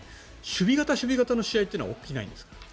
守備型、守備型の試合って起きないんですか？